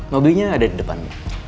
mobilnya ada di depan